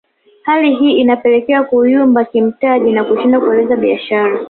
Hali hii imepelekea kuyumba kimtaji na kushindwa kuendeleza biashara